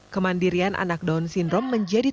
kemandirian anak down syndrome menjadi